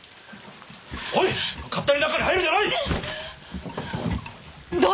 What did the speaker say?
・・・おい勝手に中に入るでない！